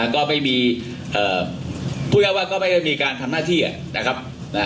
ก็ไม่มีก็ไม่มีการทำหน้าที่นะครับ